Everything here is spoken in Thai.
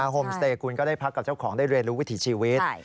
โฮมสเตย์คุณก็ได้พักกับเจ้าของได้เรียนรู้วิถีชีวิต